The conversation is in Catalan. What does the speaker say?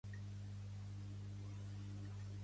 On és conegut també aquest ésser